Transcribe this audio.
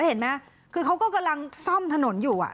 เห็นไหมคือเขาก็กำลังซ่อมถนนอยู่